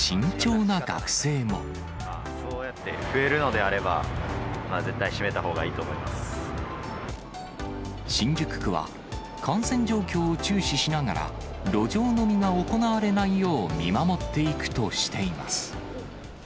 増えるのであれば、絶対閉め新宿区は、感染状況を注視しながら、路上飲みが行われないよう見守っていくとしています。